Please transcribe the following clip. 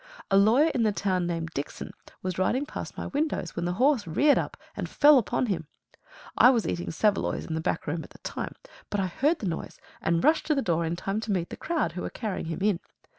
A lawyer in the town named Dickson was riding past my windows when the horse reared up and fell upon him. I was eating saveloys in the back room at the time, but I heard the noise and rushed to the door in time to meet the crowd who were carrying him in.